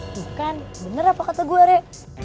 itu kan bener apa kata gua re